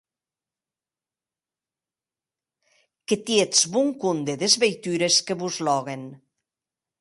Que tietz bon compde des veitures que vos lòguen!